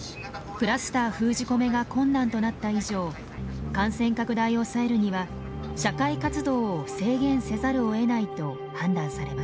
クラスター封じ込めが困難となった以上感染拡大を抑えるには社会活動を制限せざるをえないと判断されました。